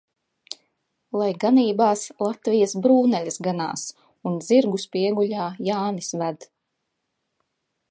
Lai ganībās Latvijas brūnaļas ganās un zirgus pieguļā Jānis ved.